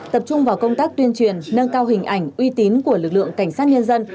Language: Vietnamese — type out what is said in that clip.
tập trung vào công tác tuyên truyền nâng cao hình ảnh uy tín của lực lượng cảnh sát nhân dân